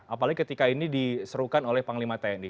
apalagi ketika ini diserukan oleh panglima tni